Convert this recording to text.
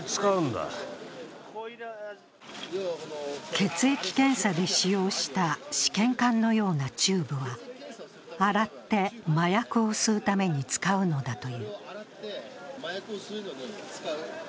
血液検査で使用した試験管のようなチューブは、洗って麻薬を吸うために使うのだという。